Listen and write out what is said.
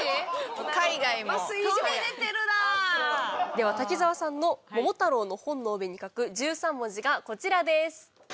では滝沢さんの『桃太郎』の本の帯に書く１３文字がこちらです。